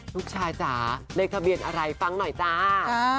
ลูกชายจ๋าเลขทะเบียนอะไรฟังหน่อยจ้า